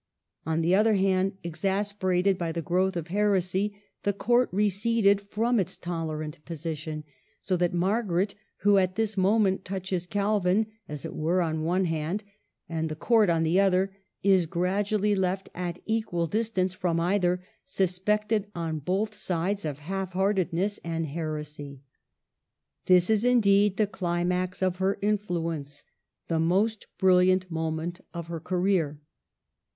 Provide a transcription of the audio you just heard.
On the other hand, exasperated by the growth of her esy, the Court receded from its tolerant position; so that Margaret, who at this moment touches Calvin, as it were, on one hand and the Court on the other, is gradually left at equal distance from either, suspected on both sides of half heartedness and heresy. This is indeed the climax of her influence, the most brilliant moment of her career.